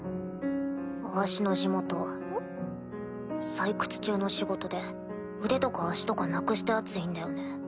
採掘中の仕事で腕とか足とかなくしたヤツいんだよね。